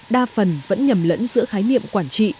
đa phần vẫn nhầm lẫn giữa khái niệm quản trị